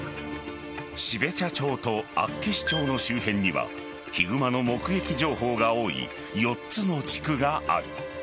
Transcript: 標茶町と厚岸町の周辺にはヒグマの目撃情報が多い４つの地区がある。